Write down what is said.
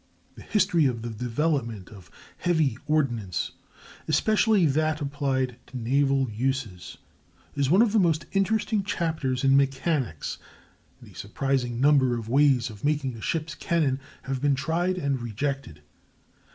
The history of the development of heavy ordnance, especially that applied to naval uses, is one of the most interesting chapters in mechanics; and a surprising number of ways of making a ship's cannon have been tried and rejected.